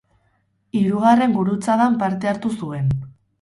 Hirugarren Gurutzadan parte hartu zuen.